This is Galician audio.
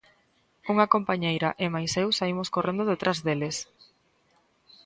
Unha compañeira e mais eu saímos correndo detrás deles.